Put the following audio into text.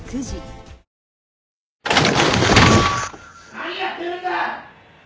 何やってるんだ！